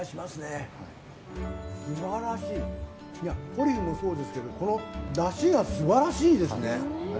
トリュフもそうですけどだしが素晴らしいですね。